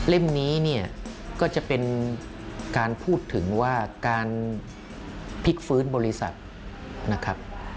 นี้เนี่ยก็จะเป็นการพูดถึงว่าการพลิกฟื้นบริษัทนะครับ